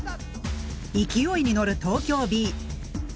勢いに乗る東京Ｂ。